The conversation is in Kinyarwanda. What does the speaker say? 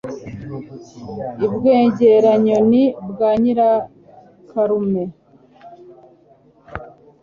I Bwengera-nyoni bwa Nyirakarume